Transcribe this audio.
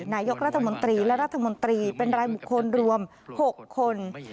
นายกรัฐมนตรีและรัฐมนตรีเป็นรายบุคคลรวม๖คน